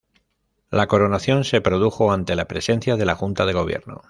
La coronación se produjo ante la presencia de la Junta de Gobierno.